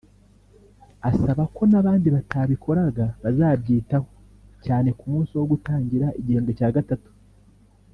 asaba ko n’abandi batabikoraga bazabyitaho cyane ku munsi wo gutangira igihembwe cya gatatu